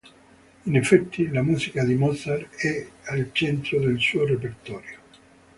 In effetti la musica di Mozart è al centro del suo repertorio.